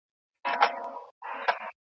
دا رومان د هرې ټولنې د اصلاح لپاره ګټور دی.